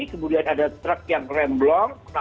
kemudian ada truk yang remblong